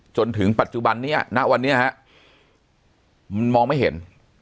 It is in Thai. จนถึงปัจจุบันนี้ณวันนี้ฮะมันมองไม่เห็น